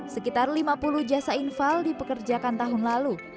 sekitar lima puluh jasa infal dipekerjakan tahun lalu